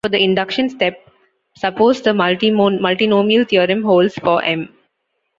For the induction step, suppose the multinomial theorem holds for "m".